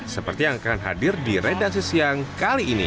seperti yang akan hadir di redaksi siang kali ini